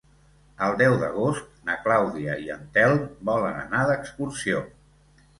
El deu d'agost na Clàudia i en Telm volen anar d'excursió.